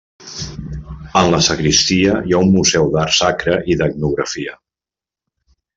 En la sagristia hi ha un museu d'art sacre i d'etnografia.